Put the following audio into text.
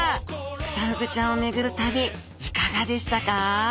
クサフグちゃんを巡る旅いかがでしたか？